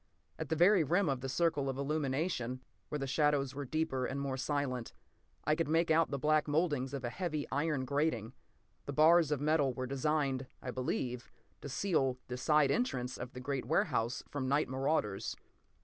At the very rim of the circle of illumination, where the shadows were deeper and more silent, I could make out the black mouldings of a heavy iron grating. The bars of metal were designed, I believe, to seal the side entrance of the great warehouse from night marauders.